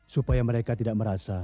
supaya mereka tidak merasa